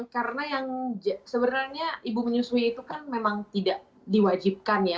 karena yang sebenarnya ibu menyusui itu kan memang tidak diwajibkan ya